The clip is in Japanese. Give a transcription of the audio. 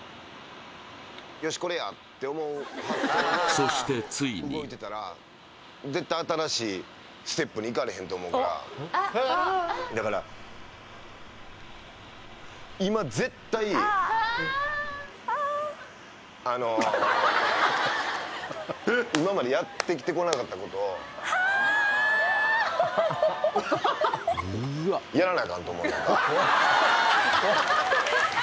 そしてついに絶対新しいステップに行かれへんと思うからだから今絶対あの今までやってきてこなかったことをやらな